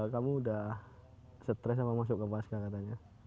kamu sudah stres sama masuk ke kopaska katanya